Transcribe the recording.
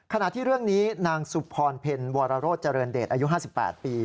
ขณะที่เรื่องนี้นางสุพรเพ็ญวรโรธเจริญเดชอายุ๕๘ปี